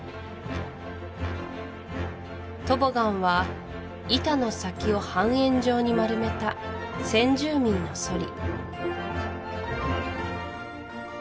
トボガンは板の先を半円状に丸めた先住民のソリ